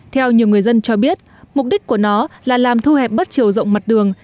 theo nhiều người dân cho biết mục đích của nó là làm thu hẹp bất chiều rộng mặt đường